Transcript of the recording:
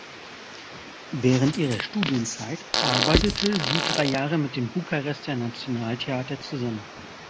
Während ihrer Studienzeit arbeitete sie drei Jahre mit dem Bukarester Nationaltheater zusammen.